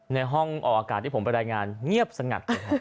ในห้องออกอากาศที่ผมไปรายงานเงียบสงัด